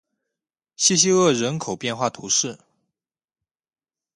谢西厄人口变化图示